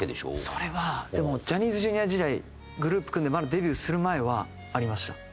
それはでもジャニーズＪｒ．時代グループ組んでまだデビューする前はありました嫉妬が。